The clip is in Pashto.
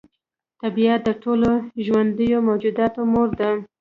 طبیعت د ټولو ژوندیو موجوداتو مور ده.